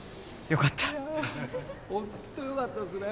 よかったね